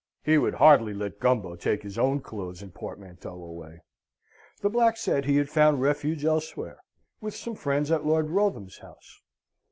He would hardly let Gumbo take his own clothes and portmanteau away. The black said he had found refuge elsewhere with some friends at Lord Wrotham's house.